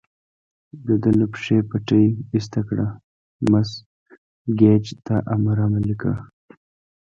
د ده له پښې پټۍ ایسته کړه، مس ګېج دا امر عملي کړ.